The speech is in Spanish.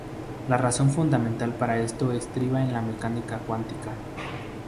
La razón fundamental para esto estriba en la mecánica cuántica.